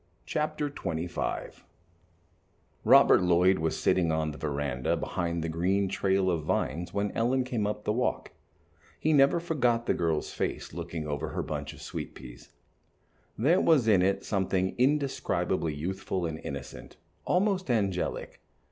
Chapter XXV Robert Lloyd was sitting on the veranda behind the green trail of vines when Ellen came up the walk. He never forgot the girl's face looking over her bunch of sweet peas. There was in it something indescribably youthful and innocent, almost angelic.